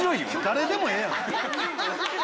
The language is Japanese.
誰でもええやん。